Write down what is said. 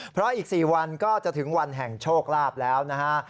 เพราะอีก๔วันก็จะถึงวันแห่งโชคลาภแล้วนะฮะ